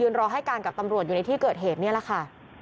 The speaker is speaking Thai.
รอให้การกับตำรวจอยู่ในที่เกิดเหตุนี่แหละค่ะ